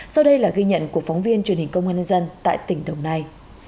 sau đây là ghi nhận của phóng viên truyền hình công an nhân dân tại tỉnh đồng nai